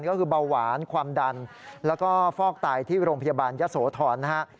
ก็คือเบาหวานความดันแล้วก็ฟอกไตที่โรงพยาบาลยะโสธรนะฮะ